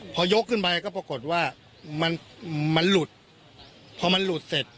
พอยกขึ้นไปก็ปรากฏว่ามันมันหลุดพอมันหลุดเสร็จ